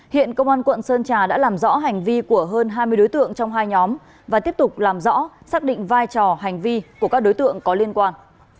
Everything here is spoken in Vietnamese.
hiện công an quận sơn trà đã làm rõ hành vi của hơn hai mươi đối tượng trong hai nhóm và tiếp tục làm rõ xác định vai trò hành vi của các đối tượng có liên quan